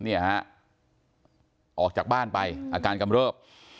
เนี่ยฮะออกจากบ้านไปอาการกำเริบ